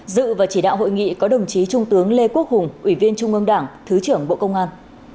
dự và chỉ đạo hội nghị có đồng chí trung tướng lê quốc hùng ủy viên trung ương đảng thứ trưởng bộ công an